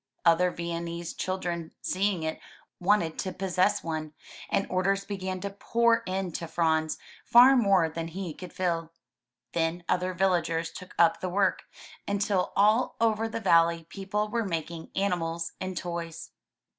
Other Viennese child ren, seeing it, wanted to possess one, and orders began to pour in to Franz, far more than he could fill. Then other villagers took up the work, until all over the valley people were making animals and toys.